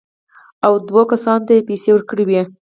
او دوو کسانو ته یې پېسې ورکړې وې.